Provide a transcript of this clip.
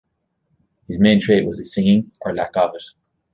His main trait was his singing or lack of it.